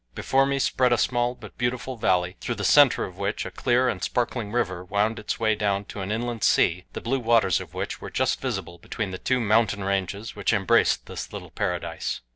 Before me spread a small but beautiful valley, through the center of which a clear and sparkling river wound its way down to an inland sea, the blue waters of which were just visible between the two mountain ranges which embraced this little paradise.